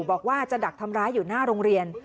บอกว่าจะดักทำร้ายอยู่หน้าโรงเรียน